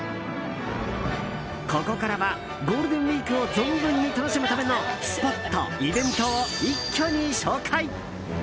ここからはゴールデンウィークを存分に楽しむためのスポット、イベントを一挙に紹介。